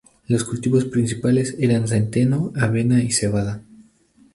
Los cultivos principales eran: centeno, avena y cebada.